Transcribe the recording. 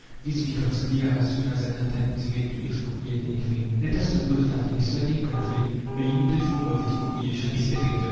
This becomes clear as soon as an attempt is made to expropriate anything. Let us suppose that in a certain country a limited form of expropriation is effected.